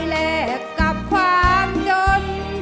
แลกกับความยนต์